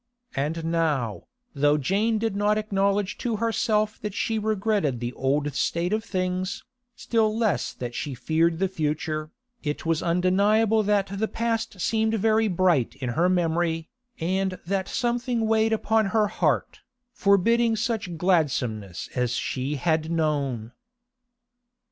And now, though Jane did not acknowledge to herself that she regretted the old state of things, still less that she feared the future, it was undeniable that the past seemed very bright in her memory, and that something weighed upon her heart, forbidding such gladsomeness as she had known.